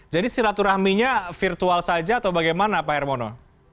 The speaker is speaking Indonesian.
jadi siraturahminya virtual saja atau bagaimana pak hermono